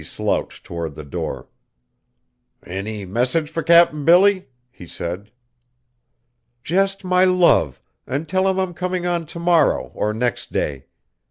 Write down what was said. slouched toward the door. "Any message fur Cap'n Billy?" he said. "Just my love, and tell him I'm coming on to morrow or next day.